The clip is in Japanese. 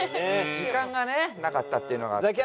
時間がねなかったっていうのがあって。